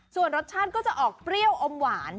ส่วนรสชาติก็จะออกเปรี้ยวอมหวาน